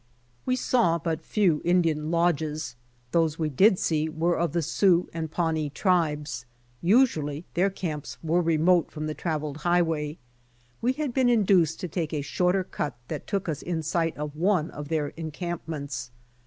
We saw but few Indian lodges. Those we did see were of the Sioux and Pawnee tribes. Usually their camps were remote from the traveled highway. We had been induced to take a shorter cut that took us in sight of one of their encampments.